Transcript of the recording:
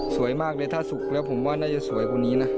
มากเลยถ้าสุกแล้วผมว่าน่าจะสวยกว่านี้นะ